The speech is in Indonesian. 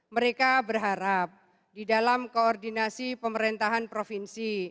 mereka berharap di dalam koordinasi pemerintahan provinsi